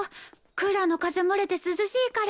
クーラーの風漏れて涼しいから。